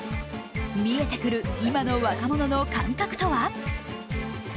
見えてくる今の若者の感覚とは？